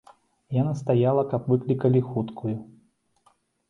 Я настаяла, каб выклікалі хуткую.